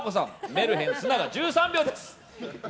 メルヘン須長、１３秒です。